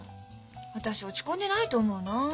私落ち込んでないと思うな。